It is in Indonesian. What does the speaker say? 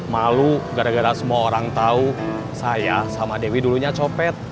malu gara gara semua orang tahu saya sama dewi dulunya copet